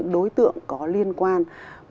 đối tượng có liên quan